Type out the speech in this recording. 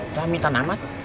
udah minta namat